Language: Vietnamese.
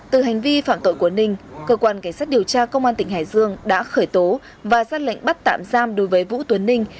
từ hành vi phạm tội của ninh cơ quan cảnh sát điều tra công an tỉnh hải dương đã khởi tố và ra lệnh bắt tạm giam đối với vũ tuấn ninh